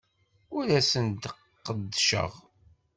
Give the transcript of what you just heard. Ur asent-d-qeddceɣ.